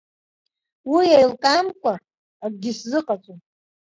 Уи еилкаамкәа, акгьы сзыҟаҵом.